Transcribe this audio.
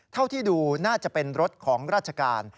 เท่าที่ดูน่าจะเป็นรถของราชการ